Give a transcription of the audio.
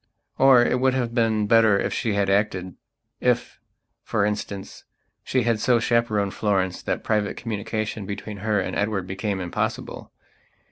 Or it would have been better if she had actedif, for instance, she had so chaperoned Florence that private communication between her and Edward became impossible.